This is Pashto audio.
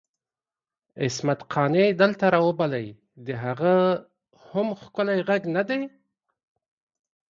عصمت قانع دلته راوبلئ د هغه هم ښکلی ږغ ندی؟!